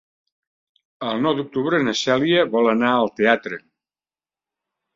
El nou d'octubre na Cèlia vol anar al teatre.